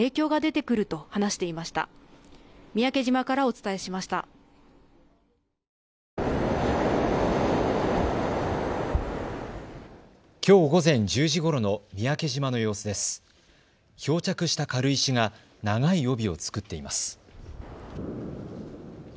漂着した軽石が長い帯を作っています。